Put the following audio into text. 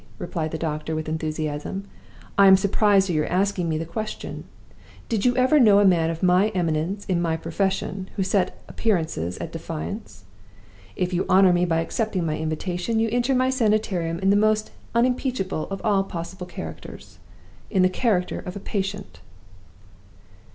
replied the doctor, with enthusiasm. "I am surprised at your asking me the question! Did you ever know a man of any eminence in my profession who set appearances at defiance? If you honor me by accepting my invitation, you enter My Sanitarium in the most unimpeachable of all possible characters in the character of a Patient."